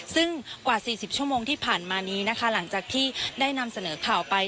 ซึ่งกว่า๔๐ชั่วโมงที่ผ่านมานี้นะคะหลังจากที่ได้นำเสนอข่าวไป